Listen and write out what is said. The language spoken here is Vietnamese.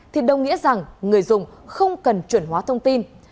thì đồng nghĩa rằng người dùng không cần chuẩn hóa thông tin